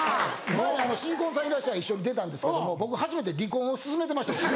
前『新婚さんいらっしゃい！』一緒に出たんですけども僕初めて離婚を勧めてました。